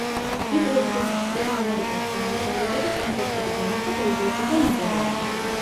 ვიდრე ჯგუფი ჩრდილო ამერიკაში გაემგზავრებოდა, კონცერტები გამართა ბელგიასა და ნიდერლანდებში.